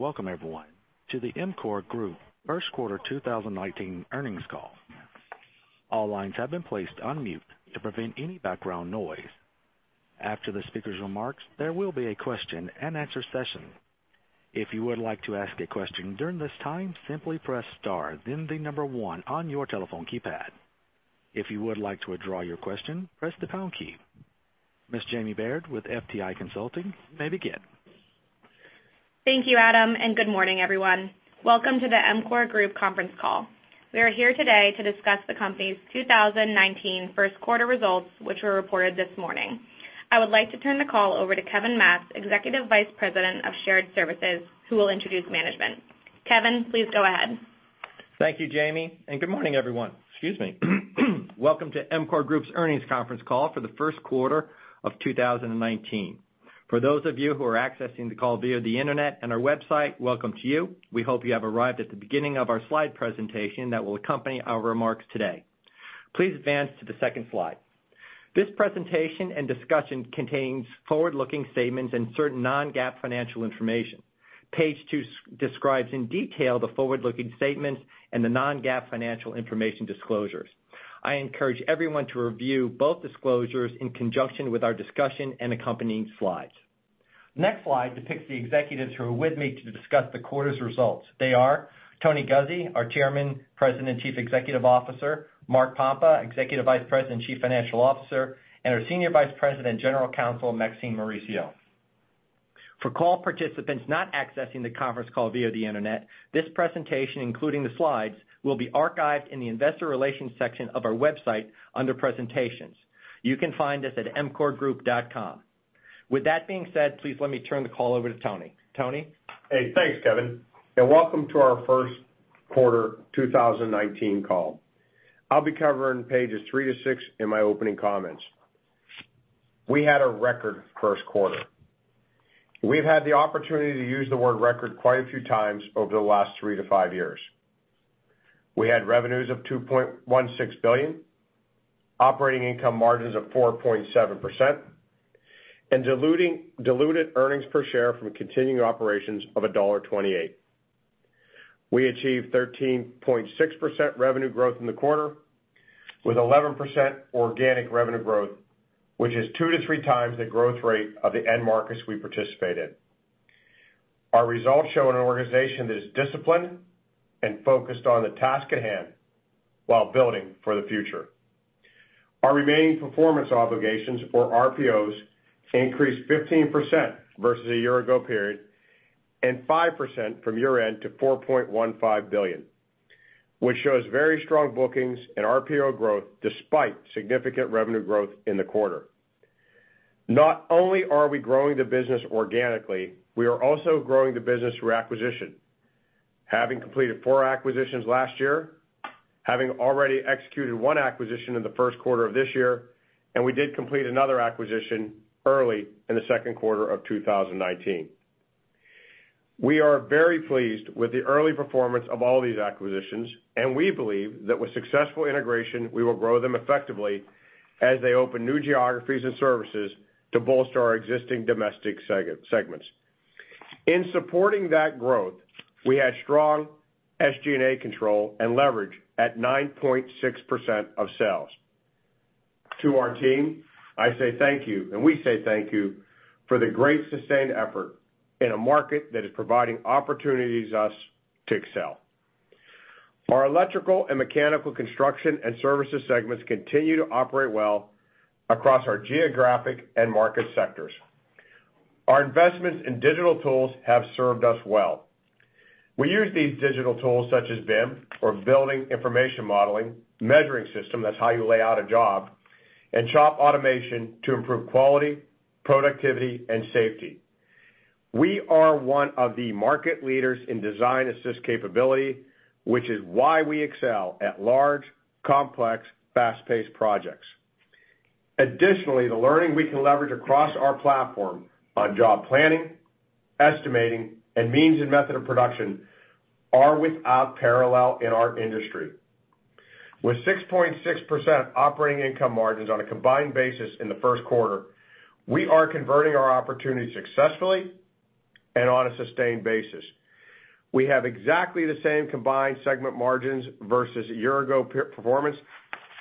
Welcome everyone to the EMCOR Group first quarter 2019 earnings call. All lines have been placed on mute to prevent any background noise. After the speaker's remarks, there will be a question and answer session. If you would like to ask a question during this time, simply press star then the number one on your telephone keypad. If you would like to withdraw your question, press the pound key. Ms. Jamie Baird with FTI Consulting, you may begin. Thank you, Adam, and good morning, everyone. Welcome to the EMCOR Group conference call. We are here today to discuss the company's 2019 first quarter results, which were reported this morning. I would like to turn the call over to Kevin Matz, Executive Vice President of Shared Services, who will introduce management. Kevin, please go ahead. Thank you, Jamie, and good morning, everyone. Excuse me. Welcome to EMCOR Group's earnings conference call for the first quarter of 2019. For those of you who are accessing the call via the internet and our website, welcome to you. We hope you have arrived at the beginning of our slide presentation that will accompany our remarks today. Please advance to the second slide. This presentation and discussion contains forward-looking statements and certain non-GAAP financial information. Page two describes in detail the forward-looking statements and the non-GAAP financial information disclosures. I encourage everyone to review both disclosures in conjunction with our discussion and accompanying slides. Next slide depicts the executives who are with me to discuss the quarter's results. They are Tony Guzzi, our Chairman, President, and Chief Executive Officer. Mark Pompa, Executive Vice President, Chief Financial Officer, and our Senior Vice President, General Counsel, Maxine Mauricio. For call participants not accessing the conference call via the internet, this presentation, including the slides, will be archived in the investor relations section of our website under presentations. You can find us at emcorgroup.com. With that being said, please let me turn the call over to Tony. Tony? Thanks, Kevin, and welcome to our first quarter 2019 call. I'll be covering pages three to six in my opening comments. We had a record first quarter. We've had the opportunity to use the word record quite a few times over the last three to five years. We had revenues of $2.16 billion, operating income margins of 4.7%, and diluted earnings per share from continuing operations of $1.28. We achieved 13.6% revenue growth in the quarter with 11% organic revenue growth, which is two to three times the growth rate of the end markets we participate in. Our results show an organization that is disciplined and focused on the task at hand while building for the future. Our remaining performance obligations or RPOs increased 15% versus a year ago period, and 5% from year-end to $4.15 billion, which shows very strong bookings and RPO growth despite significant revenue growth in the quarter. Not only are we growing the business organically, we are also growing the business through acquisition. Having completed four acquisitions last year, having already executed one acquisition in the first quarter of this year, and we did complete another acquisition early in the second quarter of 2019. We are very pleased with the early performance of all these acquisitions, and we believe that with successful integration, we will grow them effectively as they open new geographies and services to bolster our existing domestic segments. In supporting that growth, we had strong SG&A control and leverage at 9.6% of sales. To our team, I say thank you. We say thank you for the great sustained effort in a market that is providing opportunities us to excel. Our electrical and mechanical construction and services segments continue to operate well across our geographic end market sectors. Our investments in digital tools have served us well. We use these digital tools such as BIM or Building Information Modeling, measuring system, that's how you lay out a job, and shop automation to improve quality, productivity, and safety. We are one of the market leaders in design-assist capability, which is why we excel at large, complex, fast-paced projects. Additionally, the learning we can leverage across our platform on job planning, estimating, and means and method of production are without parallel in our industry. With 6.6% operating income margins on a combined basis in the first quarter, we are converting our opportunities successfully and on a sustained basis. We have exactly the same combined segment margins versus a year ago performance.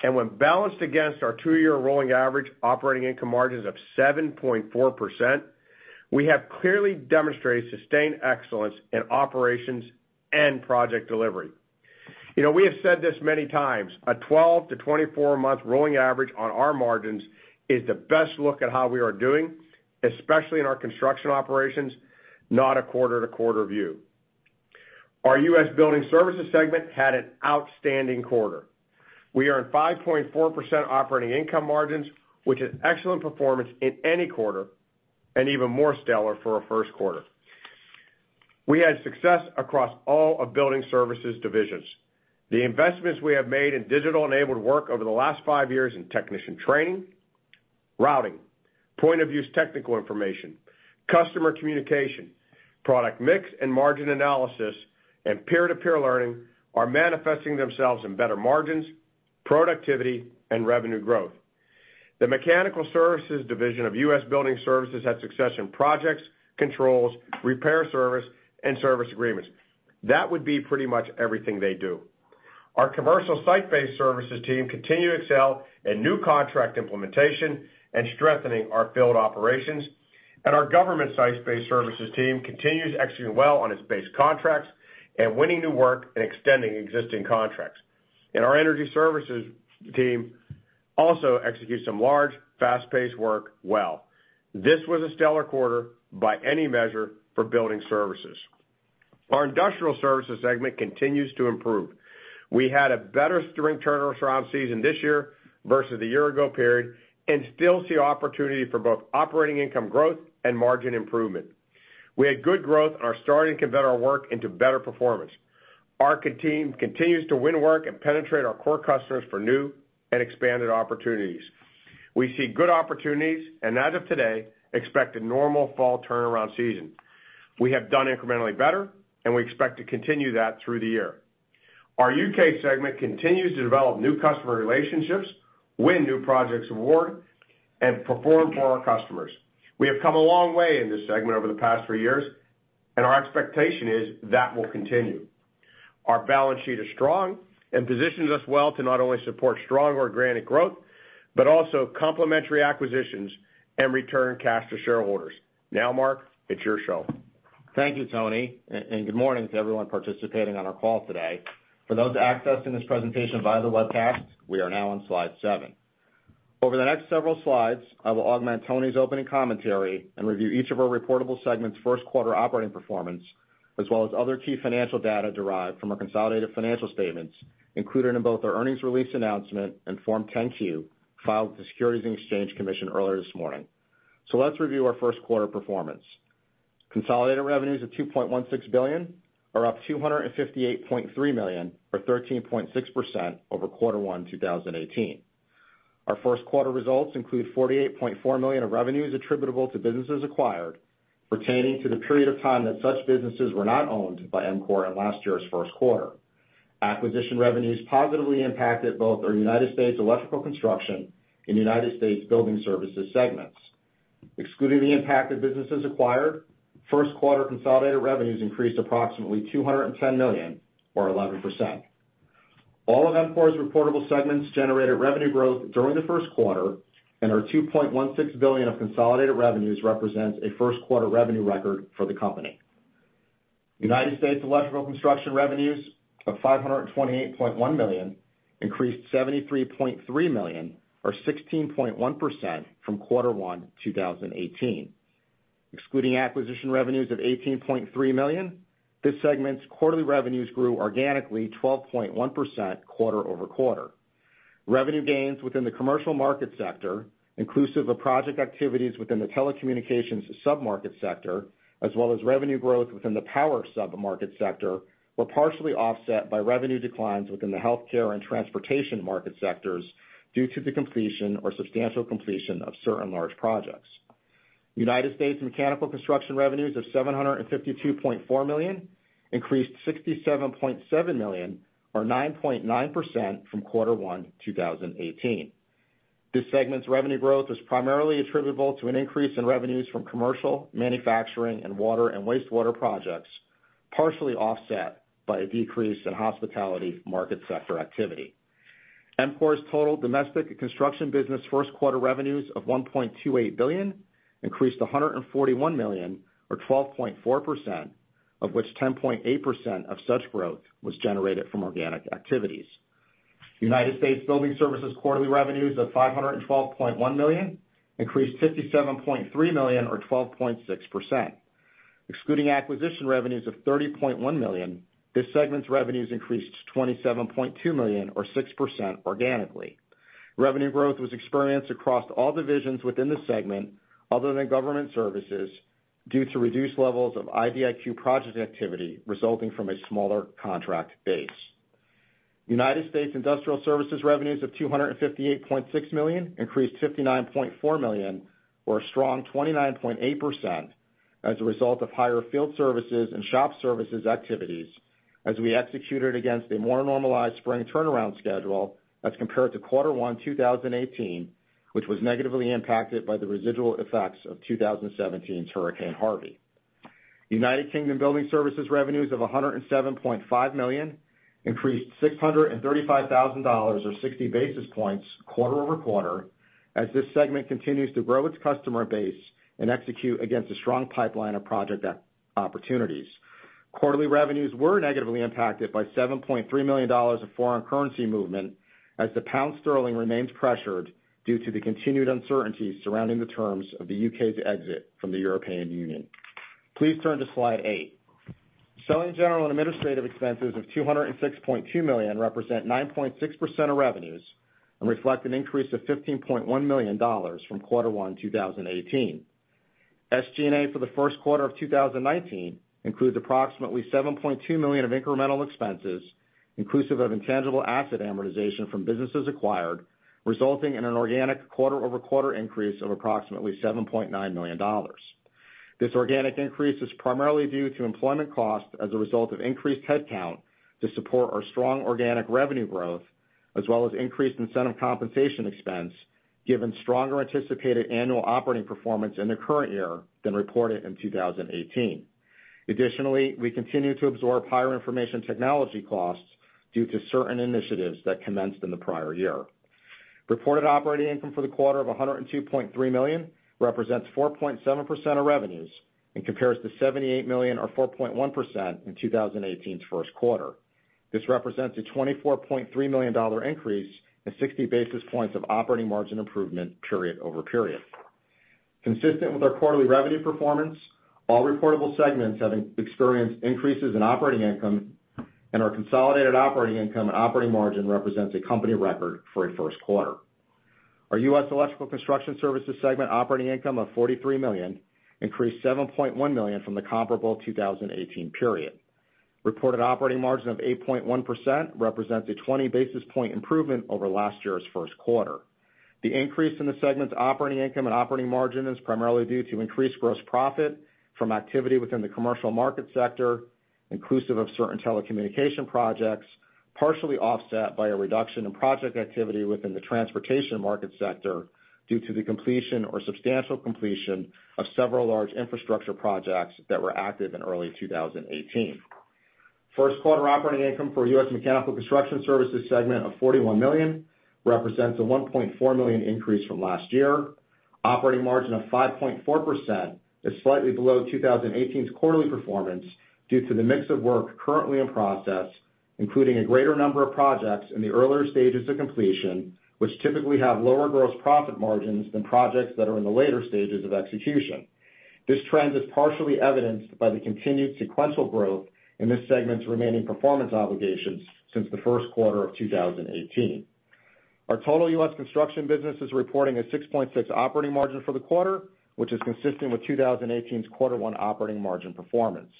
When balanced against our two-year rolling average operating income margins of 7.4%, we have clearly demonstrated sustained excellence in operations and project delivery. We have said this many times, a 12 to 24-month rolling average on our margins is the best look at how we are doing, especially in our construction operations, not a quarter-to-quarter view. Our U.S. Building Services segment had an outstanding quarter. We are at 5.4% operating income margins, which is excellent performance in any quarter, and even more stellar for a first quarter. We had success across all of Building Services divisions. The investments we have made in digital-enabled work over the last five years in technician training, routing, point of use technical information, customer communication, product mix, and margin analysis, and peer-to-peer learning are manifesting themselves in better margins, productivity and revenue growth. The Mechanical Services division of U.S. Building Services had success in projects, controls, repair service, and service agreements. That would be pretty much everything they do. Our commercial site-based services team continue to excel in new contract implementation and strengthening our field operations. Our government site-based services team continues executing well on its base contracts and winning new work and extending existing contracts. Our energy services team also executes some large, fast-paced work well. This was a stellar quarter by any measure for building services. Our industrial services segment continues to improve. We had a better spring turnaround season this year versus the year ago period, and still see opportunity for both operating income growth and margin improvement. We had good growth and are starting to convert our work into better performance. Our team continues to win work and penetrate our core customers for new and expanded opportunities. We see good opportunities, and as of today, expect a normal fall turnaround season. We have done incrementally better, and we expect to continue that through the year. Our U.K. segment continues to develop new customer relationships, win new projects award, and perform for our customers. We have come a long way in this segment over the past three years, and our expectation is that will continue. Our balance sheet is strong and positions us well to not only support strong organic growth, but also complementary acquisitions and return cash to shareholders. Now, Mark, it's your show. Thank you, Tony, and good morning to everyone participating on our call today. For those accessing this presentation via the webcast, we are now on slide seven. Over the next several slides, I will augment Tony's opening commentary and review each of our reportable segment's first quarter operating performance, as well as other key financial data derived from our consolidated financial statements, included in both our earnings release announcement and Form 10-Q filed with the Securities and Exchange Commission earlier this morning. Let's review our first quarter performance. Consolidated revenues of $2.16 billion are up $258.3 million, or 13.6% over quarter one, 2018. Our first quarter results include $48.4 million of revenues attributable to businesses acquired pertaining to the period of time that such businesses were not owned by EMCOR in last year's first quarter. Acquisition revenues positively impacted both our United States Electrical Construction and United States Building Services segments. Excluding the impact of businesses acquired, first quarter consolidated revenues increased approximately $210 million or 11%. All of EMCOR's reportable segments generated revenue growth during the first quarter, and our $2.16 billion of consolidated revenues represents a first quarter revenue record for the company. United States Electrical Construction revenues of $528.1 million increased $73.3 million, or 16.1% from quarter 1, 2018. Excluding acquisition revenues of $18.3 million, this segment's quarterly revenues grew organically 12.1% quarter-over-quarter. Revenue gains within the commercial market sector, inclusive of project activities within the telecommunications submarket sector, as well as revenue growth within the power submarket sector, were partially offset by revenue declines within the healthcare and transportation market sectors due to the completion or substantial completion of certain large projects. United States Mechanical Construction revenues of $752.4 million increased $67.7 million or 9.9% from quarter 1, 2018. This segment's revenue growth was primarily attributable to an increase in revenues from commercial, manufacturing, and water and wastewater projects, partially offset by a decrease in hospitality market sector activity. EMCOR's total domestic construction business first quarter revenues of $1.28 billion increased $141 million, or 12.4%, of which 10.8% of such growth was generated from organic activities. United States Building Services quarterly revenues of $512.1 million increased $57.3 million or 12.6%. Excluding acquisition revenues of $30.1 million, this segment's revenues increased $27.2 million or 6% organically. Revenue growth was experienced across all divisions within the segment other than government services due to reduced levels of IDIQ project activity resulting from a smaller contract base. United States Industrial Services revenues of $258.6 million increased $59.4 million, or a strong 29.8% as a result of higher field services and shop services activities as we executed against a more normalized spring turnaround schedule as compared to quarter 1, 2018, which was negatively impacted by the residual effects of 2017's Hurricane Harvey. United Kingdom Building Services revenues of $107.5 million increased $635,000, or 60 basis points quarter-over-quarter as this segment continues to grow its customer base and execute against a strong pipeline of project opportunities. Quarterly revenues were negatively impacted by $7.3 million of foreign currency movement as the GBP remains pressured due to the continued uncertainty surrounding the terms of the U.K.'s exit from the European Union. Please turn to slide eight. Selling, General, and Administrative expenses of $206.2 million represent 9.6% of revenues and reflect an increase of $15.1 million from quarter one, 2018. SGA for the first quarter of 2019 includes approximately $7.2 million of incremental expenses, inclusive of intangible asset amortization from businesses acquired, resulting in an organic quarter-over-quarter increase of approximately $7.9 million. This organic increase is primarily due to employment costs as a result of increased headcount to support our strong organic revenue growth, as well as increased incentive compensation expense, given stronger anticipated annual operating performance in the current year than reported in 2018. Additionally, we continue to absorb higher information technology costs due to certain initiatives that commenced in the prior year. Reported operating income for the quarter of $102.3 million represents 4.7% of revenues and compares to $78 million or 4.1% in 2018's first quarter. This represents a $24.3 million increase and 60 basis points of operating margin improvement period-over-period. Consistent with our quarterly revenue performance, all reportable segments have experienced increases in operating income, and our consolidated operating income and operating margin represents a company record for a first quarter. Our U.S. Electrical Construction Services segment operating income of $43 million increased $7.1 million from the comparable 2018 period. Reported operating margin of 8.1% represents a 20 basis point improvement over last year's first quarter. The increase in the segment's operating income and operating margin is primarily due to increased gross profit from activity within the commercial market sector, inclusive of certain telecommunication projects, partially offset by a reduction in project activity within the transportation market sector due to the completion or substantial completion of several large infrastructure projects that were active in early 2018. First quarter operating income for U.S. Mechanical Construction Services segment of $41 million represents a $1.4 million increase from last year. Operating margin of 5.4% is slightly below 2018's quarterly performance due to the mix of work currently in process, including a greater number of projects in the earlier stages of completion, which typically have lower gross profit margins than projects that are in the later stages of execution. This trend is partially evidenced by the continued sequential growth in this segment's Remaining Performance Obligations since the first quarter of 2018. Our total U.S. construction business is reporting a 6.6% operating margin for the quarter, which is consistent with 2018's quarter one operating margin performance.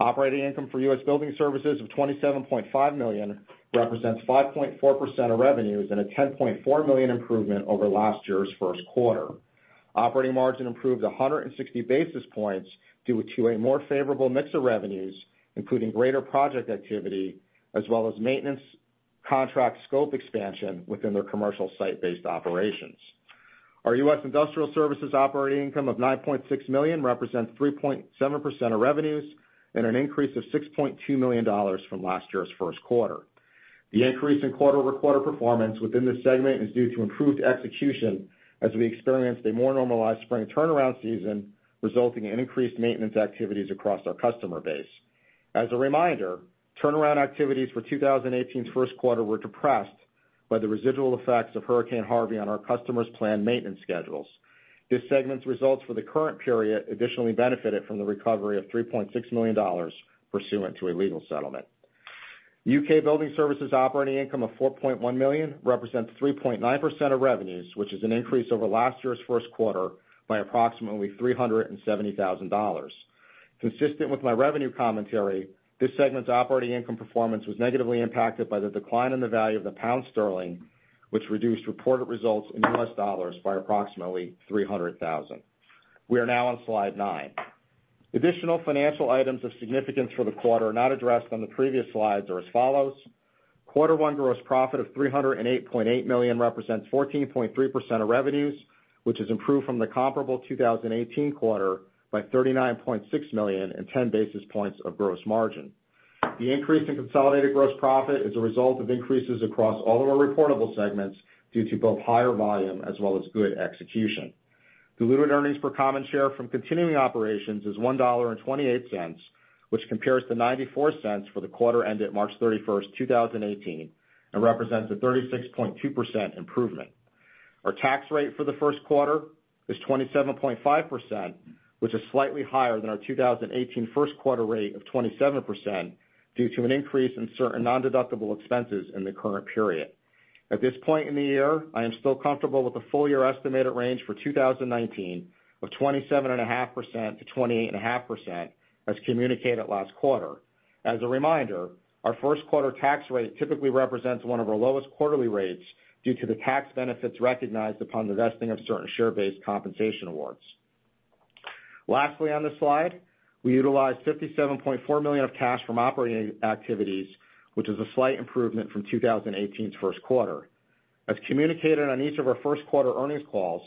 Operating income for U.S. Building Services of $27.5 million represents 5.4% of revenues and a $10.4 million improvement over last year's first quarter. Operating margin improved 160 basis points due to a more favorable mix of revenues, including greater project activity, as well as maintenance contract scope expansion within their commercial site-based operations. Our U.S. Industrial Services operating income of $9.6 million represents 3.7% of revenues and an increase of $6.2 million from last year's first quarter. The increase in quarter-over-quarter performance within this segment is due to improved execution as we experienced a more normalized spring turnaround season, resulting in increased maintenance activities across our customer base. As a reminder, turnaround activities for 2018's first quarter were depressed by the residual effects of Hurricane Harvey on our customers' planned maintenance schedules. This segment's results for the current period additionally benefited from the recovery of $3.6 million pursuant to a legal settlement. U.K. Building Services operating income of $4.1 million represents 3.9% of revenues, which is an increase over last year's first quarter by approximately $370,000. Consistent with my revenue commentary, this segment's operating income performance was negatively impacted by the decline in the value of the pound sterling, which reduced reported results in U.S. dollars by approximately $300,000. We are now on slide nine. Additional financial items of significance for the quarter not addressed on the previous slides are as follows. Quarter one gross profit of $308.8 million represents 14.3% of revenues, which has improved from the comparable 2018 quarter by $39.6 million and 10 basis points of gross margin. The increase in consolidated gross profit is a result of increases across all of our reportable segments due to both higher volume as well as good execution. Diluted earnings per common share from continuing operations is $1.28, which compares to $0.94 for the quarter ended March 31st, 2018, and represents a 36.2% improvement. Our tax rate for the first quarter is 27.5%, which is slightly higher than our 2018 first quarter rate of 27% due to an increase in certain non-deductible expenses in the current period. At this point in the year, I am still comfortable with the full-year estimated range for 2019 of 27.5%-28.5% as communicated last quarter. As a reminder, our first quarter tax rate typically represents one of our lowest quarterly rates due to the tax benefits recognized upon the vesting of certain share-based compensation awards. Lastly, on this slide, we utilized $57.4 million of cash from operating activities, which is a slight improvement from 2018's first quarter. As communicated on each of our first quarter earnings calls,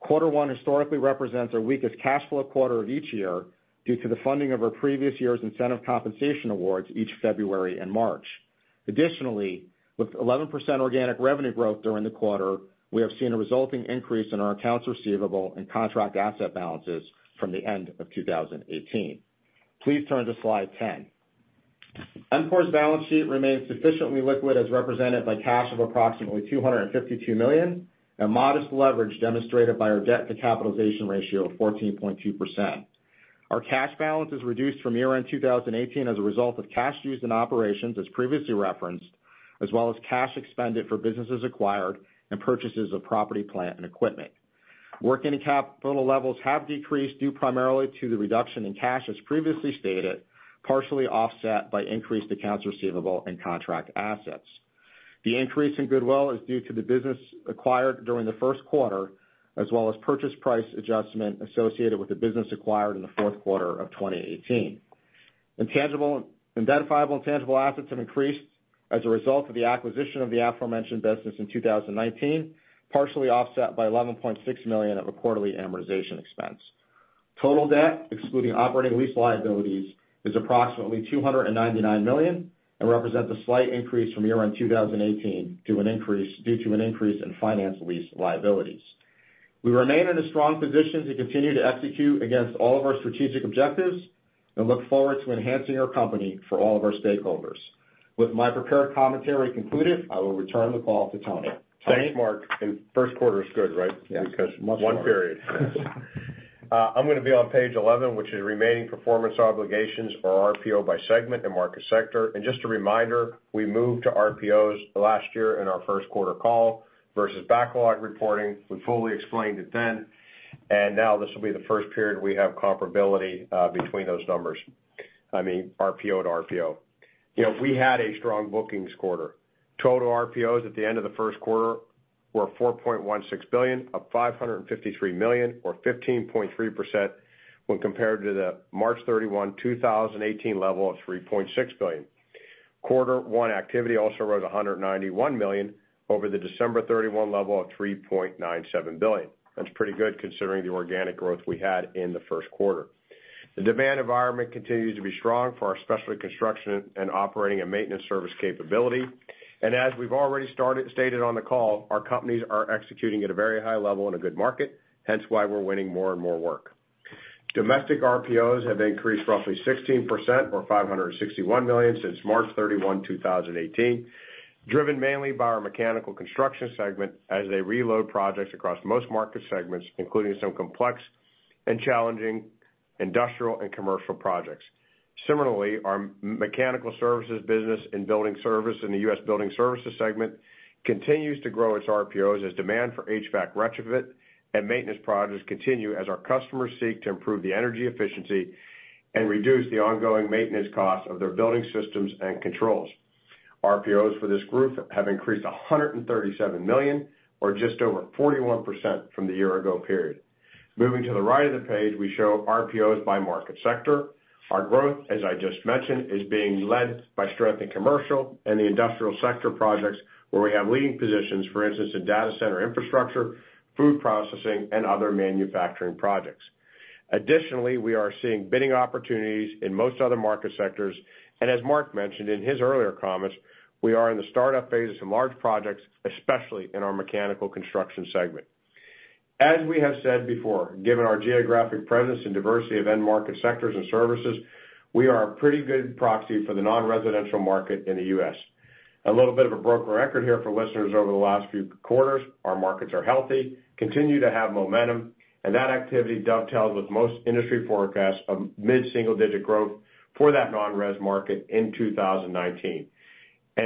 quarter one historically represents our weakest cash flow quarter of each year due to the funding of our previous year's incentive compensation awards each February and March. With 11% organic revenue growth during the quarter, we have seen a resulting increase in our accounts receivable and contract asset balances from the end of 2018. Please turn to slide 10. EMCOR's balance sheet remains sufficiently liquid as represented by cash of approximately $252 million and modest leverage demonstrated by our debt to capitalization ratio of 14.2%. Our cash balance is reduced from year-end 2018 as a result of cash used in operations, as previously referenced, as well as cash expended for businesses acquired and purchases of property, plant, and equipment. Working capital levels have decreased due primarily to the reduction in cash, as previously stated, partially offset by increased accounts receivable and contract assets. The increase in goodwill is due to the business acquired during the first quarter, as well as purchase price adjustment associated with the business acquired in the fourth quarter of 2018. Identifiable intangible assets have increased as a result of the acquisition of the aforementioned business in 2019, partially offset by $11.6 million of a quarterly amortization expense. Total debt, excluding operating lease liabilities, is approximately $299 million and represents a slight increase from year-end 2018 due to an increase in finance lease liabilities. We remain in a strong position to continue to execute against all of our strategic objectives and look forward to enhancing our company for all of our stakeholders. With my prepared commentary concluded, I will return the call to Tony. Tony? Thanks, Mark. First quarter is good, right? Yes. Much better. Because one period. I'm gonna be on page 11, which is remaining performance obligations or RPO by segment and market sector. Just a reminder, we moved to RPOs last year in our first quarter call versus backlog reporting. We fully explained it then, and now this will be the first period we have comparability between those numbers. I mean, RPO to RPO. We had a strong bookings quarter. Total RPOs at the end of the first quarter were $4.16 billion, up $553 million or 15.3% when compared to the March 31, 2018, level of $3.6 billion. Quarter one activity also rose $191 million over the December 31 level of $3.97 billion. That's pretty good considering the organic growth we had in the first quarter. The demand environment continues to be strong for our specialty construction and operating and maintenance service capability. As we've already stated on the call, our companies are executing at a very high level in a good market, hence why we're winning more and more work. Domestic RPOs have increased roughly 16%, or $561 million since March 31, 2018, driven mainly by our mechanical construction segment as they reload projects across most market segments, including some complex and challenging industrial and commercial projects. Similarly, our mechanical services business and building service in the U.S. building services segment continues to grow its RPOs as demand for HVAC retrofit and maintenance projects continue as our customers seek to improve the energy efficiency and reduce the ongoing maintenance costs of their building systems and controls. RPOs for this group have increased $137 million or just over 41% from the year-ago period. Moving to the right of the page, we show RPOs by market sector. Our growth, as I just mentioned, is being led by strength in commercial and the industrial sector projects where we have leading positions, for instance, in data center infrastructure, food processing, and other manufacturing projects. Additionally, we are seeing bidding opportunities in most other market sectors, as Mark mentioned in his earlier comments, we are in the startup phase of some large projects, especially in our mechanical construction segment. As we have said before, given our geographic presence and diversity of end market sectors and services, we are a pretty good proxy for the non-residential market in the U.S. A little bit of a broken record here for listeners over the last few quarters, our markets are healthy, continue to have momentum, and that activity dovetails with most industry forecasts of mid-single-digit growth for that non-res market in 2019.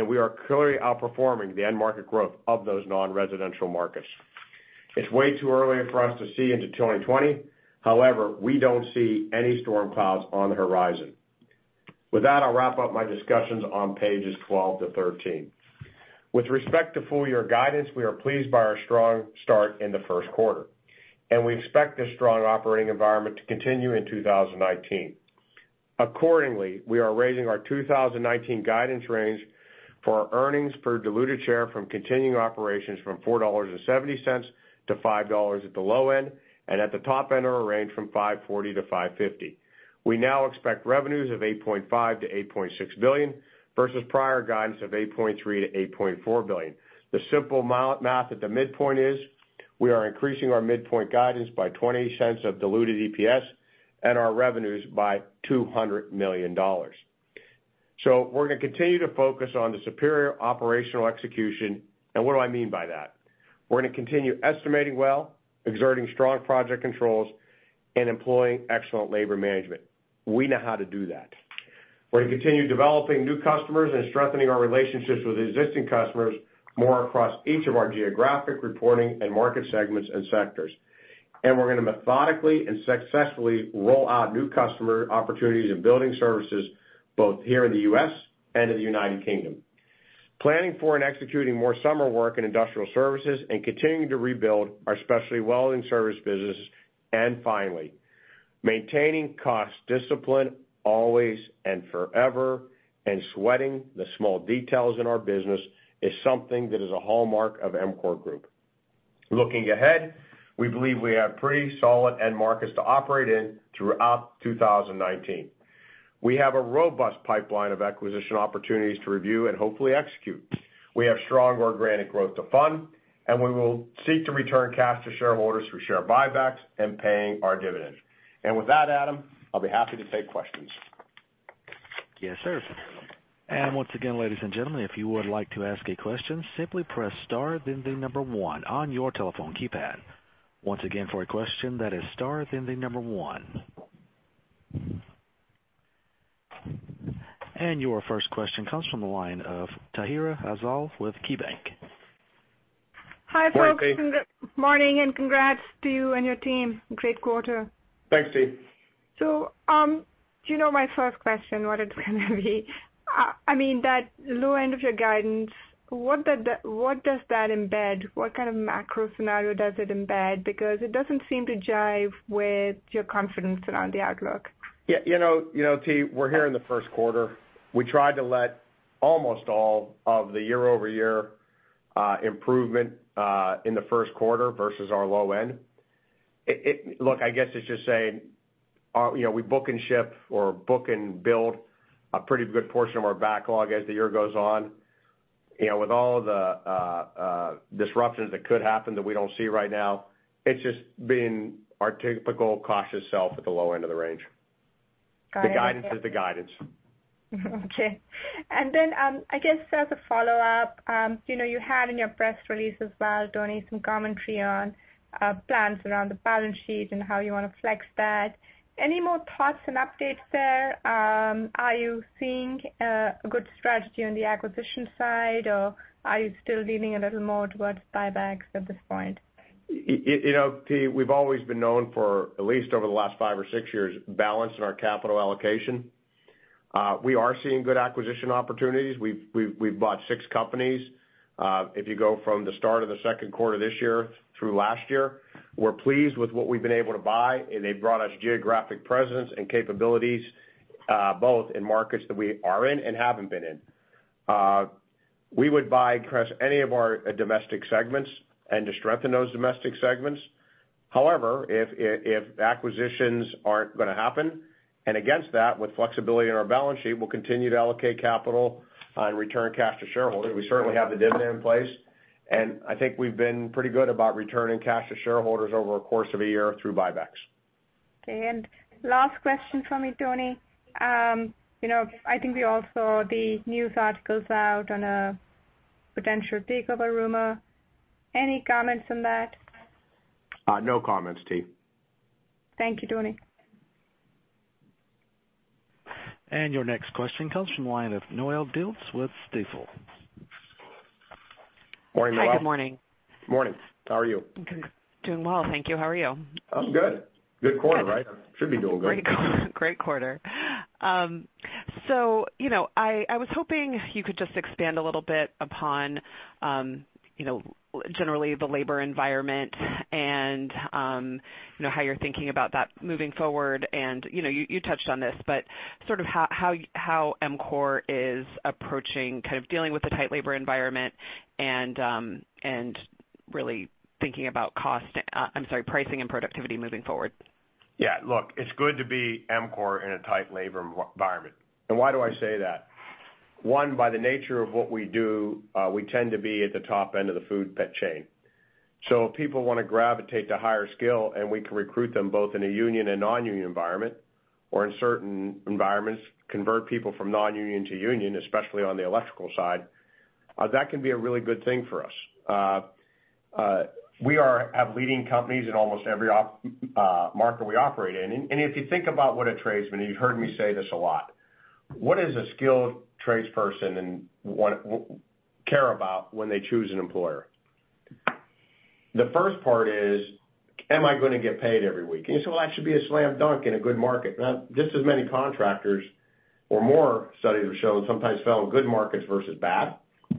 We are clearly outperforming the end market growth of those non-residential markets. It's way too early for us to see into 2020. However, we don't see any storm clouds on the horizon. With that, I'll wrap up my discussions on pages 12 to 13. With respect to full-year guidance, we are pleased by our strong start in the first quarter, and we expect this strong operating environment to continue in 2019. Accordingly, we are raising our 2019 guidance range for our earnings per diluted share from continuing operations from $4.70-$5 at the low end, and at the top end of our range from $5.40-$5.50. We now expect revenues of $8.5 billion-$8.6 billion versus prior guidance of $8.3 billion-$8.4 billion. The simple math at the midpoint is we are increasing our midpoint guidance by $0.20 of diluted EPS and our revenues by $200 million. We're gonna continue to focus on the superior operational execution. What do I mean by that? We're gonna continue estimating well, exerting strong project controls, and employing excellent labor management. We know how to do that. We're gonna continue developing new customers and strengthening our relationships with existing customers more across each of our geographic reporting and market segments and sectors. We're gonna methodically and successfully roll out new customer opportunities in building services both here in the U.S. and in the United Kingdom. Planning for and executing more summer work in industrial services, continuing to rebuild our specialty welding service businesses. Maintaining cost discipline always and forever, and sweating the small details in our business is something that is a hallmark of EMCOR Group. Looking ahead, we believe we have pretty solid end markets to operate in throughout 2019. We have a robust pipeline of acquisition opportunities to review and hopefully execute. We have strong organic growth to fund, and we will seek to return cash to shareholders through share buybacks and paying our dividends. With that, Adam, I'll be happy to take questions. Yes, sir. Once again, ladies and gentlemen, if you would like to ask a question, simply press star then the number one on your telephone keypad. Once again, for a question, that is star then the number one. Your first question comes from the line of Tahira Afzal with KeyBanc. Hi, folks. Morning, T. Congrats to you and your team. Great quarter. Thanks, T. You know my first question, what it's going to be. I mean that low end of your guidance, what does that embed? What kind of macro scenario does it embed? It doesn't seem to jive with your confidence around the outlook. Yeah. You know, T, we're here in the first quarter. We tried to let almost all of the year-over-year improvement in the first quarter versus our low end. Look, I guess it's just saying, we book and ship or book and build a pretty good portion of our backlog as the year goes on. With all the disruptions that could happen that we don't see right now, it's just being our typical cautious self at the low end of the range. Got it. The guidance is the guidance. Okay. Then, I guess as a follow-up, you had in your press release as well, Tony, some commentary on plans around the balance sheet and how you want to flex that. Any more thoughts and updates there? Are you seeing a good strategy on the acquisition side, or are you still leaning a little more towards buybacks at this point? Tony, we've always been known for, at least over the last five or six years, balancing our capital allocation. We are seeing good acquisition opportunities. We've bought six companies, if you go from the start of the second quarter this year through last year. We're pleased with what we've been able to buy, and they've brought us geographic presence and capabilities, both in markets that we are in and haven't been in. We would buy across any of our domestic segments and to strengthen those domestic segments. However, if acquisitions aren't going to happen, and against that, with flexibility in our balance sheet, we'll continue to allocate capital and return cash to shareholders. We certainly have the dividend in place, and I think we've been pretty good about returning cash to shareholders over a course of a year through buybacks. Okay. Last question from me, Tony. I think we all saw the news articles out on a potential takeover rumor. Any comments on that? No comments, T. Thank you, Tony. Your next question comes from the line of Noelle Dilts with Stifel. Morning, Noelle. Hi, good morning. Morning. How are you? Doing well, thank you. How are you? I'm good. Good quarter, right? Should be doing good. I was hoping you could just expand a little bit upon, generally the labor environment and how you're thinking about that moving forward and, you touched on this, but sort of how EMCOR is approaching kind of dealing with the tight labor environment and really thinking about pricing and productivity moving forward. Yeah, look, it's good to be EMCOR in a tight labor environment. Why do I say that? One, by the nature of what we do, we tend to be at the top end of the food chain. If people wanna gravitate to higher skill and we can recruit them both in a union and non-union environment, or in certain environments, convert people from non-union to union, especially on the electrical side, that can be a really good thing for us. We have leading companies in almost every market we operate in. If you think about what a tradesman, you've heard me say this a lot. What does a skilled tradesperson care about when they choose an employer? The first part is, am I gonna get paid every week? You say, "Well, that should be a slam dunk in a good market." Now, just as many contractors or more, studies have shown, sometimes fail in good markets versus bad.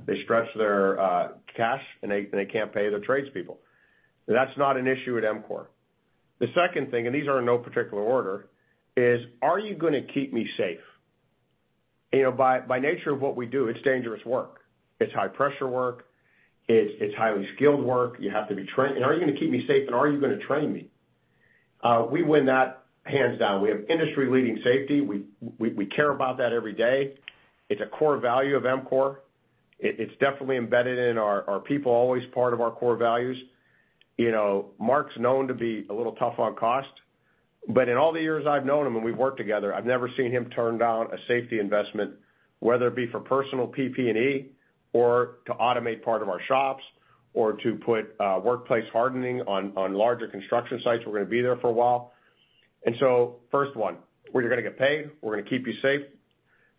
They stretch their cash, and they can't pay their tradespeople. That's not an issue at EMCOR. The second thing, and these are in no particular order, is, are you gonna keep me safe? By nature of what we do, it's dangerous work. It's high-pressure work. It's highly skilled work. You have to be trained. Are you gonna keep me safe and are you gonna train me? We win that hands down. We have industry-leading safety. We care about that every day. It's a core value of EMCOR. It's definitely embedded in our people, always part of our core values. Mark's known to be a little tough on cost, in all the years I've known him and we've worked together, I've never seen him turn down a safety investment, whether it be for personal PP&E or to automate part of our shops or to put workplace hardening on larger construction sites, we're going to be there for a while. First one, where you're going to get paid, we're going to keep you safe.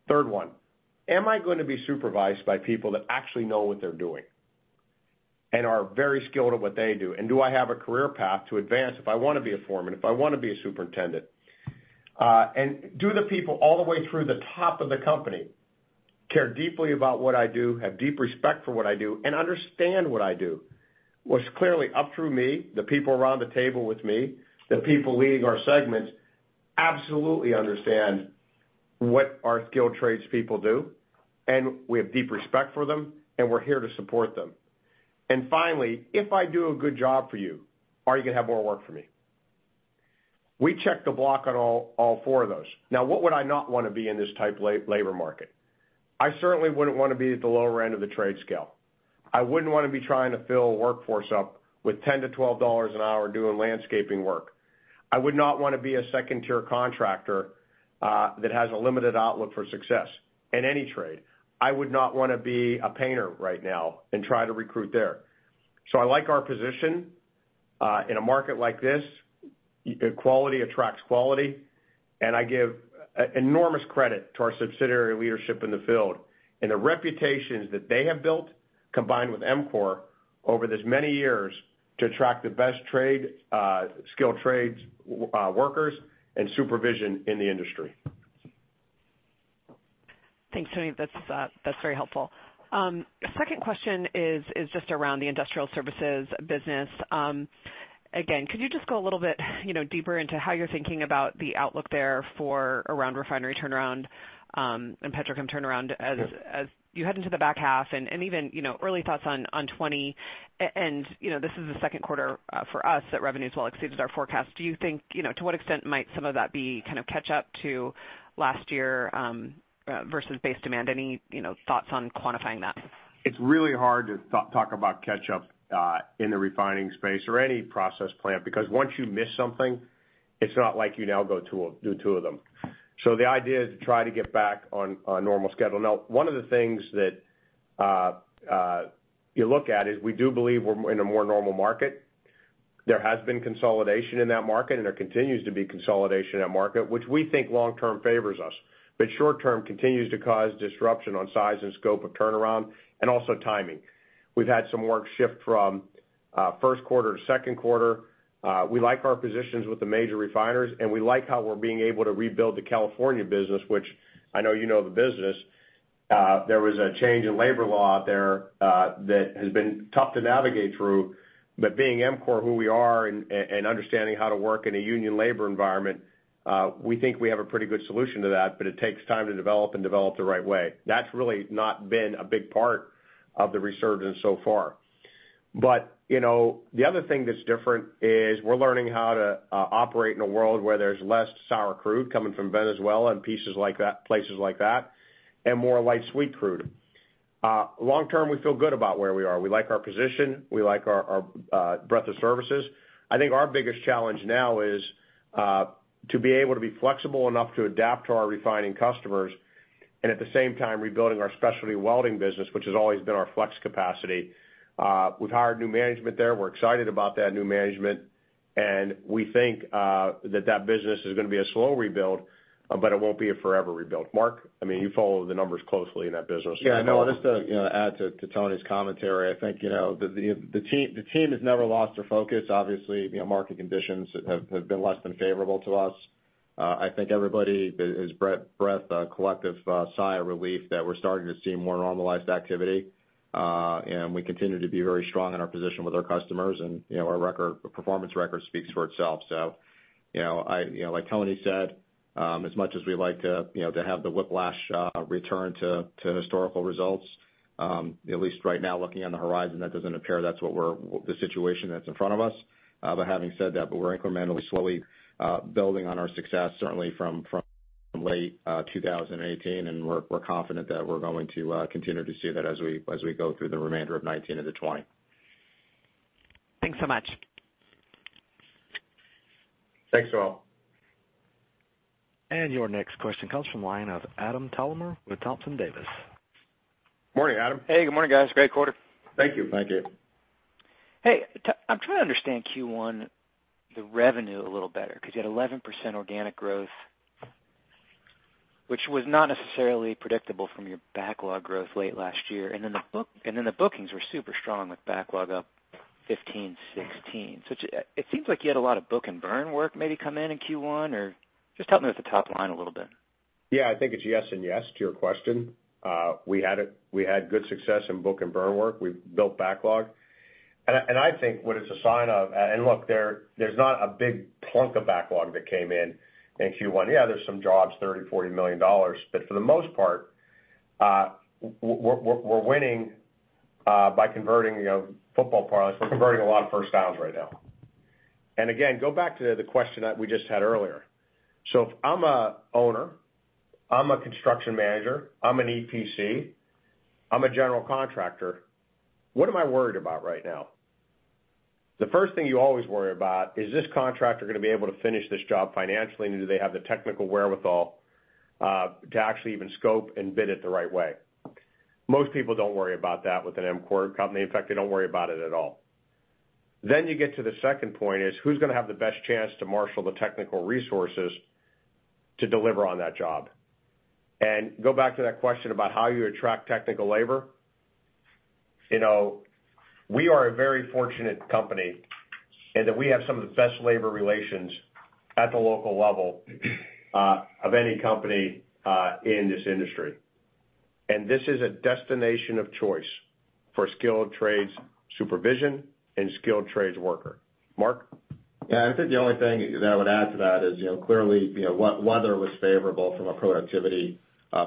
Third one, am I going to be supervised by people that actually know what they're doing and are very skilled at what they do? Do I have a career path to advance if I want to be a foreman, if I want to be a superintendent? Do the people all the way through the top of the company care deeply about what I do, have deep respect for what I do, and understand what I do? Well, it's clearly up through me, the people around the table with me, the people leading our segments absolutely understand what our skilled trades people do, and we have deep respect for them, and we're here to support them. Finally, if I do a good job for you, are you going to have more work for me? We check the block on all four of those. Now, what would I not want to be in this tight labor market? I certainly wouldn't want to be at the lower end of the trade scale. I wouldn't want to be trying to fill a workforce up with $10 to $12 an hour doing landscaping work. I would not want to be a 2nd-tier contractor that has a limited outlook for success in any trade. I would not want to be a painter right now and try to recruit there. I like our position. In a market like this, quality attracts quality, and I give enormous credit to our subsidiary leadership in the field and the reputations that they have built, combined with EMCOR over this many years to attract the best skilled trades workers and supervision in the industry. Thanks, Tony. That's very helpful. Second question is just around the industrial services business. Again, could you just go a little bit deeper into how you're thinking about the outlook there for around refinery turnaround and petrochem turnaround as you head into the back half and even early thoughts on 2020. This is the second quarter for us that revenues well exceeded our forecast. To what extent might some of that be catch up to last year versus base demand? Any thoughts on quantifying that? It's really hard to talk about catch up in the refining space or any process plant, because once you miss something, it's not like you now do two of them. The idea is to try to get back on a normal schedule. One of the things that you look at is we do believe we're in a more normal market. There has been consolidation in that market, and there continues to be consolidation in that market, which we think long term favors us. Short term continues to cause disruption on size and scope of turnaround and also timing. We've had some work shift from first quarter to second quarter. We like our positions with the major refiners, and we like how we're being able to rebuild the California business, which I know you know the business. There was a change in labor law out there that has been tough to navigate through, being EMCOR, who we are, and understanding how to work in a union labor environment, we think we have a pretty good solution to that, but it takes time to develop and develop the right way. That's really not been a big part of the resurgence so far. The other thing that's different is we're learning how to operate in a world where there's less sour crude coming from Venezuela and places like that, and more light sweet crude. Long term, we feel good about where we are. We like our position. We like our breadth of services. I think our biggest challenge now is to be able to be flexible enough to adapt to our refining customers, and at the same time, rebuilding our specialty welding business, which has always been our flex capacity. We've hired new management there. We're excited about that new management, and we think that business is going to be a slow rebuild, but it won't be a forever rebuild. Mark, you follow the numbers closely in that business. I want just to add to Tony's commentary. I think the team has never lost their focus. Obviously, market conditions have been less than favorable to us. I think everybody has breathed a collective sigh of relief that we're starting to see more normalized activity. We continue to be very strong in our position with our customers and our performance record speaks for itself. Like Tony said, as much as we like to have the whiplash return to historical results, at least right now, looking on the horizon, that doesn't appear that's the situation that's in front of us. Having said that, but we're incrementally slowly building on our success, certainly from late 2018, and we're confident that we're going to continue to see that as we go through the remainder of 2019 into 2020. Thanks so much. Thanks, Noelle. Your next question comes from line of Adam Thalhimer with Thompson Davis. Morning, Adam. Hey, good morning, guys. Great quarter. Thank you. Thank you. Hey, I'm trying to understand Q1, the revenue a little better, because you had 11% organic growth, which was not necessarily predictable from your backlog growth late last year. Then the bookings were super strong with backlog up 15%, 16%. It seems like you had a lot of book and burn work maybe come in in Q1, or just help me with the top line a little bit. I think it's yes and yes to your question. We had good success in book and burn work. We built backlog. I think what it's a sign of, look, there's not a big plunk of backlog that came in in Q1. There's some jobs, $30 million, $40 million, but for the most part, we're winning by converting football parlance. We're converting a lot of first downs right now. Again, go back to the question that we just had earlier. If I'm an owner, I'm a construction manager, I'm an EPC, I'm a general contractor, what am I worried about right now? The first thing you always worry about is this contractor going to be able to finish this job financially, and do they have the technical wherewithal to actually even scope and bid it the right way? Most people don't worry about that with an EMCOR company. In fact, they don't worry about it at all. You get to the second point is who's going to have the best chance to marshal the technical resources to deliver on that job? Go back to that question about how you attract technical labor. We are a very fortunate company in that we have some of the best labor relations at the local level of any company in this industry. This is a destination of choice for skilled trades supervision and skilled trades worker. Mark? I think the only thing that I would add to that is clearly, weather was favorable from a productivity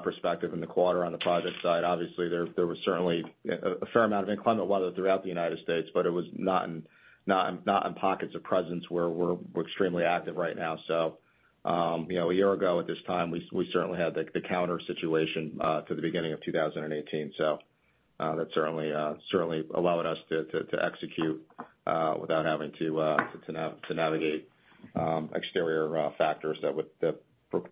perspective in the quarter on the project side. Obviously, there was certainly a fair amount of inclement weather throughout the U.S., but it was not in pockets of presence where we're extremely active right now. A year ago at this time, we certainly had the counter situation to the beginning of 2018. That certainly allowed us to execute without having to navigate exterior factors that would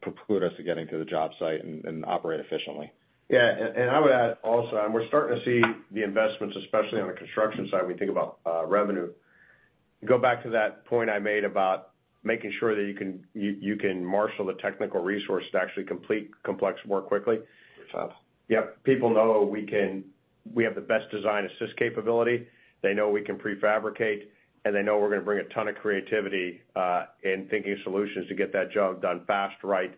preclude us to getting to the job site and operate efficiently. I would add also, we're starting to see the investments, especially on the construction side when you think about revenue. Go back to that point I made about making sure that you can marshal the technical resource to actually complete complex more quickly. It's up. Yep. People know we have the best design-assist capability. They know we can prefabricate, and they know we're going to bring a ton of creativity, in thinking of solutions to get that job done fast, right,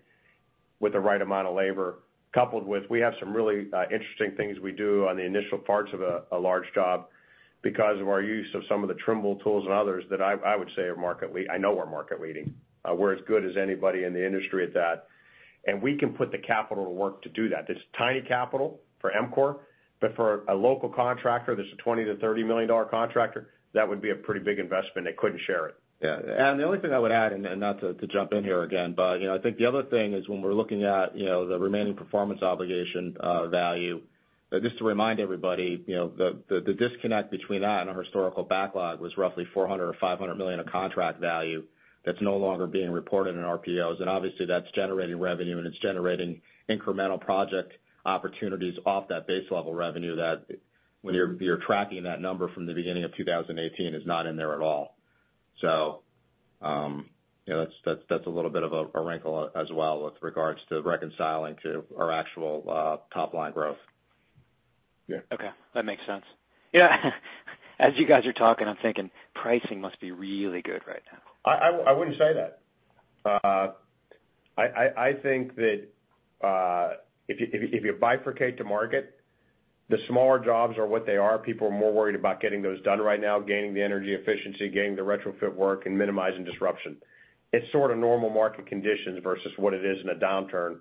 with the right amount of labor, coupled with we have some really interesting things we do on the initial parts of a large job because of our use of some of the Trimble tools and others that I would say, I know we're market leading. We're as good as anybody in the industry at that. We can put the capital to work to do that. This tiny capital for EMCOR, but for a local contractor that's a $20 million-$30 million contractor, that would be a pretty big investment. They couldn't share it. Yeah. The only thing I would add, and not to jump in here again, but I think the other thing is when we're looking at the remaining performance obligation value. Just to remind everybody, the disconnect between that and our historical backlog was roughly $400 million or $500 million of contract value that's no longer being reported in RPOs. Obviously, that's generating revenue, and it's generating incremental project opportunities off that base-level revenue that when you're tracking that number from the beginning of 2018, is not in there at all. That's a little bit of a wrinkle as well with regards to reconciling to our actual top-line growth. Yeah. Okay. That makes sense. Yeah. As you guys are talking, I'm thinking pricing must be really good right now. I wouldn't say that. I think that if you bifurcate to market, the smaller jobs are what they are. People are more worried about getting those done right now, gaining the energy efficiency, gaining the retrofit work, and minimizing disruption. It's sort of normal market conditions versus what it is in a downturn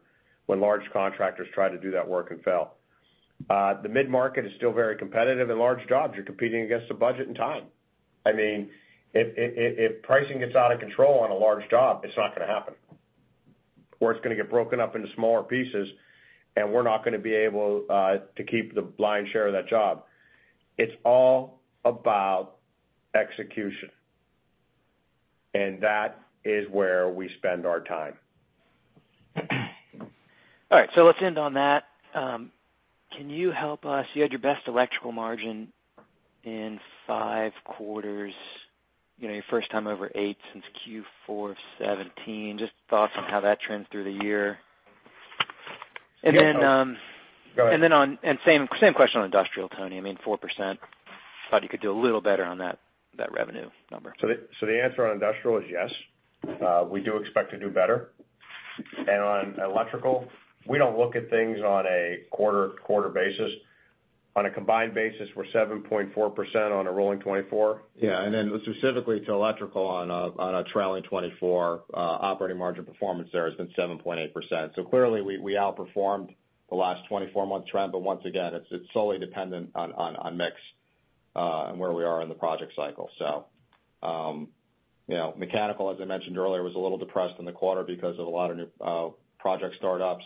when large contractors try to do that work and fail. The mid-market is still very competitive in large jobs. You're competing against the budget and time. If pricing gets out of control on a large job, it's not going to happen, or it's going to get broken up into smaller pieces, and we're not going to be able to keep the lion's share of that job. It's all about execution. That is where we spend our time. All right. Let's end on that. Can you help us? You had your best electrical margin in five quarters, your first time over eight since Q4 of 2017. Just thoughts on how that trends through the year. Then- Go ahead. Same question on industrial, Tony. I mean, 4%. Thought you could do a little better on that revenue number. The answer on industrial is yes. We do expect to do better. On electrical, we don't look at things on a quarter basis. On a combined basis, we're 7.4% on a rolling 24. Yeah. Specifically to electrical on a trailing 24 operating margin performance there has been 7.8%. Clearly, we outperformed the last 24-month trend, but once again, it's solely dependent on mix, and where we are in the project cycle. Mechanical, as I mentioned earlier, was a little depressed in the quarter because of a lot of new project startups.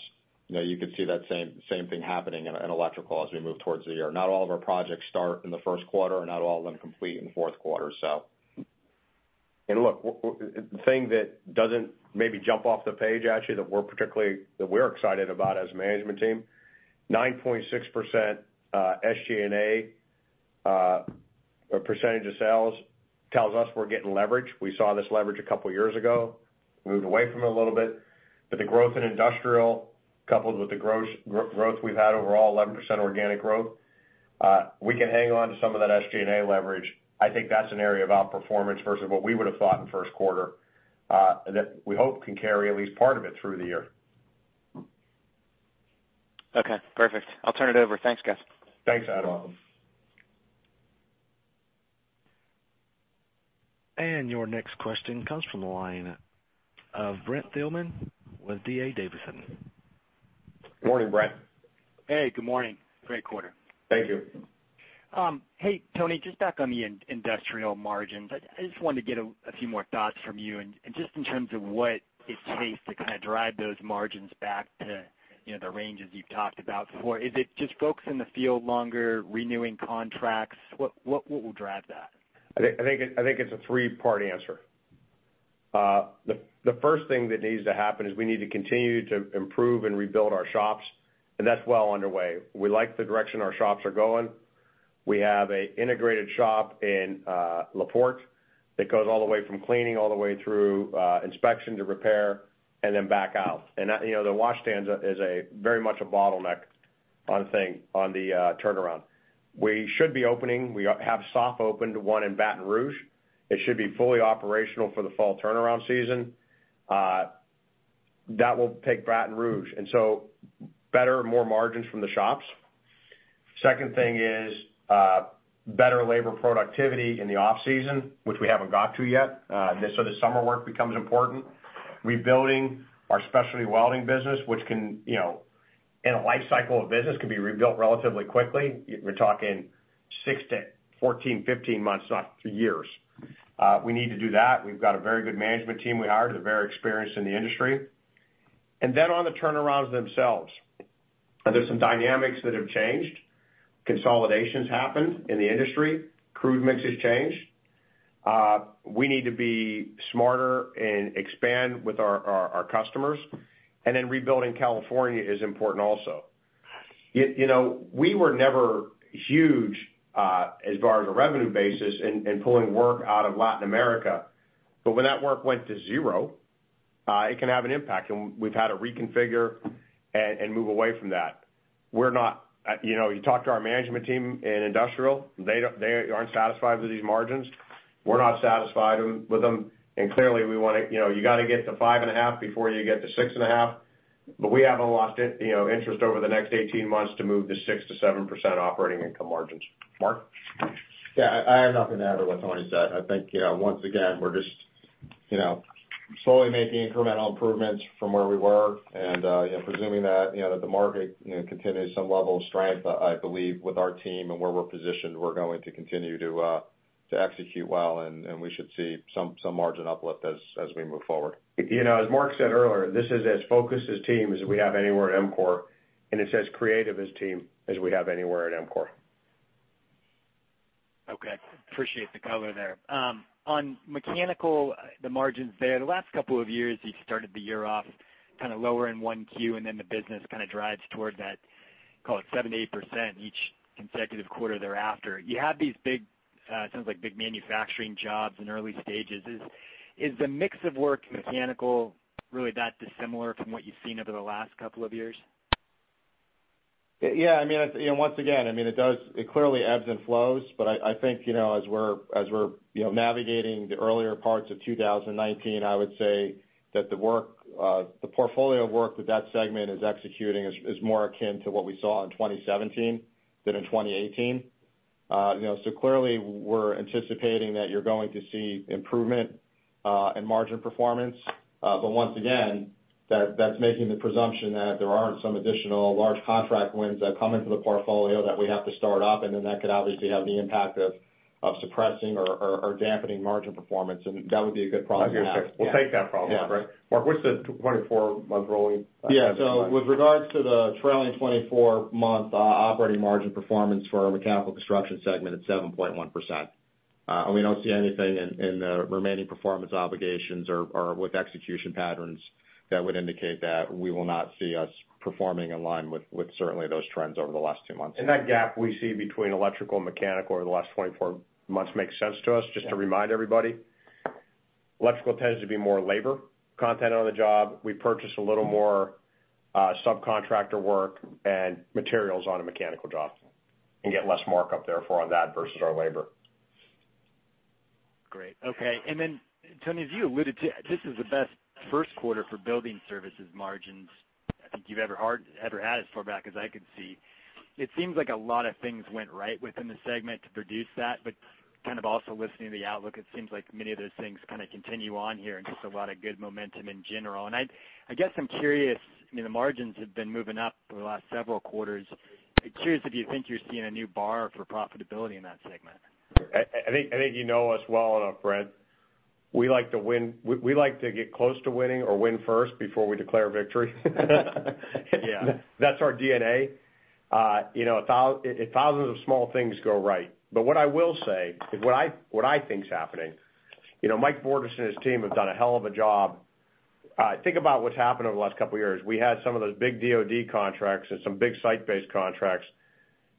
You could see that same thing happening in electrical as we move towards the year. Not all of our projects start in the first quarter, and not all of them complete in fourth quarter. Look, the thing that doesn't maybe jump off the page actually, that we're excited about as a management team, 9.6% SG&A, or percentage of sales, tells us we're getting leverage. We saw this leverage a couple of years ago. Moved away from it a little bit. The growth in industrial, coupled with the growth we've had overall, 11% organic growth, we can hang on to some of that SG&A leverage. I think that's an area of outperformance versus what we would've thought in first quarter, that we hope can carry at least part of it through the year. Okay, perfect. I'll turn it over. Thanks, guys. Thanks, Adam. Welcome. Your next question comes from the line of Brent Thielman with D.A. Davidson. Morning, Brent. Hey, good morning. Great quarter. Thank you. Hey, Tony, just back on the industrial margins. I just wanted to get a few more thoughts from you and just in terms of what it takes to kind of drive those margins back to the ranges you've talked about before. Is it just folks in the field longer renewing contracts? What will drive that? I think it's a three-part answer. The first thing that needs to happen is we need to continue to improve and rebuild our shops, and that's well underway. We like the direction our shops are going. We have an integrated shop in La Porte that goes all the way from cleaning all the way through inspection to repair and then back out. The wash stands is a very much a bottleneck on the turnaround. We should be opening. We have soft opened one in Baton Rouge. It should be fully operational for the fall turnaround season. That will take Baton Rouge. Better, more margins from the shops. Second thing is, better labor productivity in the off-season, which we haven't got to yet. The summer work becomes important. Rebuilding our specialty welding business, which can, in a life cycle of business, can be rebuilt relatively quickly. We're talking six to 14, 15 months, not years. We need to do that. We've got a very good management team we hired. They're very experienced in the industry. On the turnarounds themselves, there's some dynamics that have changed. Consolidations happened in the industry. Crude mix has changed. We need to be smarter and expand with our customers. Rebuilding California is important also. We were never huge as far as a revenue basis in pulling work out of Latin America. When that work went to zero, it can have an impact, and we've had to reconfigure and move away from that. You talk to our management team in industrial, they aren't satisfied with these margins. We're not satisfied with them. Clearly, you got to get to 5.5 before you get to 6.5. We have a lot interest over the next 18 months to move to 6%-7% operating income margins. Mark? I have nothing to add to what Tony said. I think once again, we're just slowly making incremental improvements from where we were. Presuming that the market continues some level of strength, I believe with our team and where we're positioned, we're going to continue to execute well, and we should see some margin uplift as we move forward. As Mark said earlier, this is as focused as team as we have anywhere at EMCOR, it's as creative a team as we have anywhere at EMCOR. Appreciate the color there. On mechanical, the margins there, the last couple of years, you started the year off kind of lower in 1Q, the business kind of drives toward that, call it 7%-8% each consecutive quarter thereafter. You have these big, sounds like big manufacturing jobs in early stages. Is the mix of work in mechanical really that dissimilar from what you've seen over the last couple of years? Once again, it clearly ebbs and flows, but I think, as we're navigating the earlier parts of 2019, I would say that the portfolio of work that that segment is executing is more akin to what we saw in 2017 than in 2018. Clearly we're anticipating that you're going to see improvement in margin performance. Once again, that's making the presumption that there aren't some additional large contract wins that come into the portfolio that we have to start up, and then that could obviously have the impact of suppressing or dampening margin performance, and that would be a good problem to have. I hear you. We'll take that problem, right? Yeah. Mark, what's the 24-month rolling? With regards to the trailing 24-month operating margin performance for our mechanical construction segment, it's 7.1%. We don't see anything in the remaining performance obligations or with execution patterns that would indicate that we will not see us performing in line with certainly those trends over the last two months. That gap we see between electrical and mechanical over the last 24 months makes sense to us. Just to remind everybody, electrical tends to be more labor content on the job. We purchase a little more subcontractor work and materials on a mechanical job and get less markup therefore on that versus our labor. Great. Okay. Then Tony, as you alluded to, this is the best first quarter for building services margins I think you've ever had, as far back as I can see. It seems like a lot of things went right within the segment to produce that, but kind of also listening to the outlook, it seems like many of those things kind of continue on here and just a lot of good momentum in general. I guess I'm curious, the margins have been moving up over the last several quarters. Curious if you think you're seeing a new bar for profitability in that segment. I think you know us well enough, Brent. We like to get close to winning or win first before we declare victory. Yeah. That's our DNA. Thousands of small things go right. What I will say is what I think is happening, Michael Bordes and his team have done a hell of a job. Think about what's happened over the last couple of years. We had some of those big DoD contracts and some big site-based contracts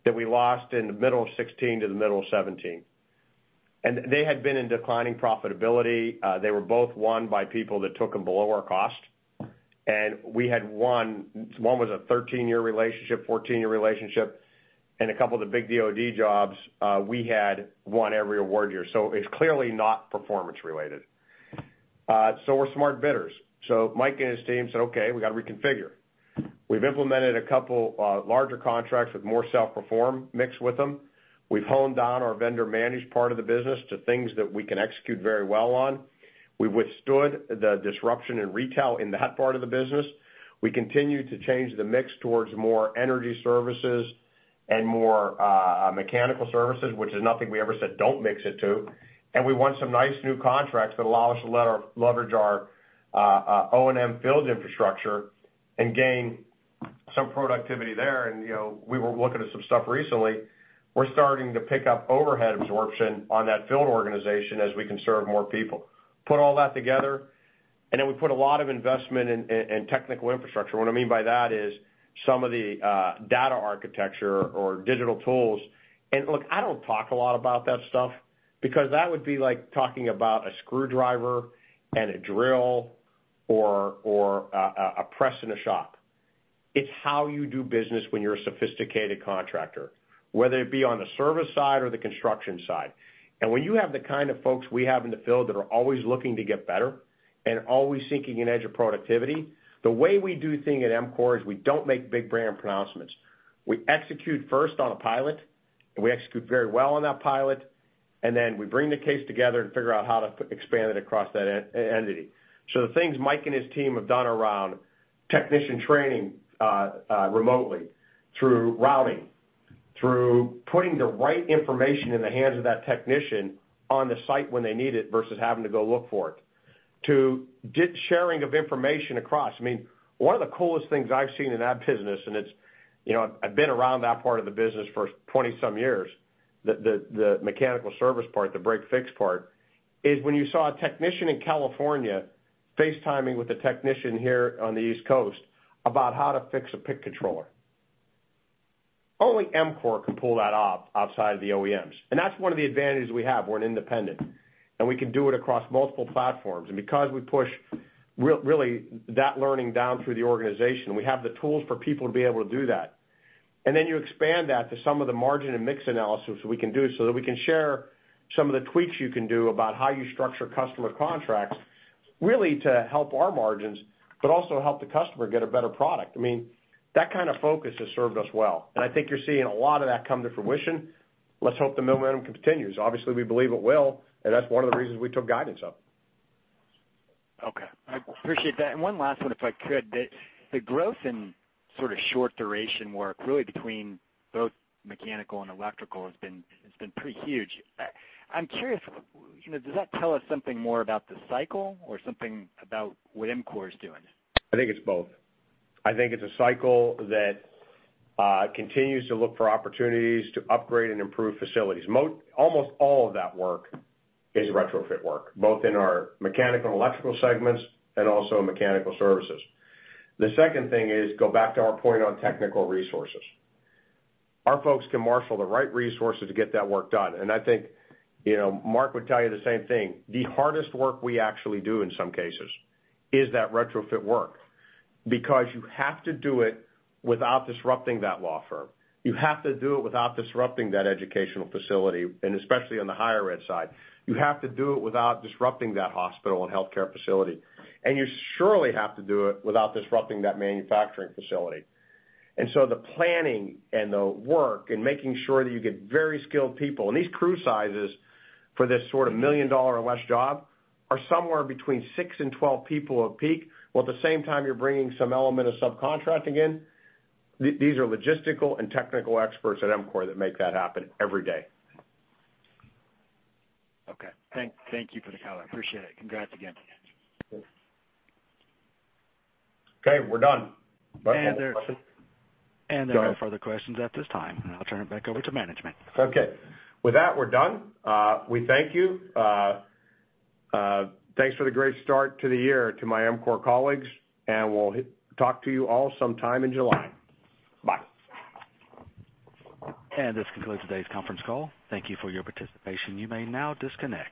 that we lost in the middle of 2016 to the middle of 2017. They had been in declining profitability. They were both won by people that took them below our cost. We had one was a 13-year relationship, 14-year relationship. A couple of the big DoD jobs, we had won every award year. It's clearly not performance related. Mike and his team said, "Okay, we got to reconfigure." We've implemented a couple larger contracts with more self-perform mixed with them. We've honed down our vendor managed part of the business to things that we can execute very well on. We withstood the disruption in retail in that part of the business. We continue to change the mix towards more energy services and more mechanical services, which is nothing we ever said don't mix it to. We won some nice new contracts that allow us to leverage our O&M field infrastructure and gain some productivity there. We were looking at some stuff recently. We're starting to pick up overhead absorption on that field organization as we can serve more people. Put all that together. Then we put a lot of investment in technical infrastructure. What I mean by that is some of the data architecture or digital tools. Look, I don't talk a lot about that stuff because that would be like talking about a screwdriver and a drill or a press in a shop. It's how you do business when you're a sophisticated contractor, whether it be on the service side or the construction side. When you have the kind of folks we have in the field that are always looking to get better and always seeking an edge of productivity, the way we do thing at EMCOR is we don't make big brand pronouncements. We execute first on a pilot. We execute very well on that pilot. Then we bring the case together and figure out how to expand it across that entity. The things Mike and his team have done around technician training remotely through routing, through putting the right information in the hands of that technician on the site when they need it versus having to go look for it, to sharing of information across. One of the coolest things I've seen in that business, and I've been around that part of the business for 20 some years, the mechanical service part, the break fix part is when you saw a technician in California FaceTime with a technician here on the East Coast about how to fix a PLC controller. Only EMCOR can pull that off outside of the OEMs. That's one of the advantages we have. We're an independent. We can do it across multiple platforms. Because we push really that learning down through the organization, we have the tools for people to be able to do that. Then you expand that to some of the margin and mix analysis we can do so that we can share some of the tweaks you can do about how you structure customer contracts, really to help our margins, but also help the customer get a better product. That kind of focus has served us well. I think you're seeing a lot of that come to fruition. Let's hope the momentum continues. Obviously, we believe it will. That's one of the reasons we took guidance up. Okay. I appreciate that. One last one, if I could. The growth in sort of short duration work, really between both mechanical and electrical has been pretty huge. I'm curious, does that tell us something more about the cycle or something about what EMCOR is doing? I think it's both. I think it's a cycle that continues to look for opportunities to upgrade and improve facilities. Almost all of that work is retrofit work, both in our mechanical and electrical segments and also in mechanical services. The second thing is go back to our point on technical resources. Our folks can marshal the right resources to get that work done. I think Mark would tell you the same thing. The hardest work we actually do in some cases is that retrofit work, because you have to do it without disrupting that law firm. You have to do it without disrupting that educational facility, and especially on the higher ed side. You have to do it without disrupting that hospital and healthcare facility. You surely have to do it without disrupting that manufacturing facility. The planning and the work and making sure that you get very skilled people, and these crew sizes for this sort of million-dollar or less job are somewhere between six and 12 people a peak, while at the same time you're bringing some element of subcontracting in. These are logistical and technical experts at EMCOR that make that happen every day. Okay. Thank you for the color. I appreciate it. Congrats again. Okay, we're done. There are no further questions at this time. I'll turn it back over to management. Okay. With that, we're done. We thank you. Thanks for the great start to the year to my EMCOR colleagues. We'll talk to you all sometime in July. Bye. This concludes today's conference call. Thank you for your participation. You may now disconnect.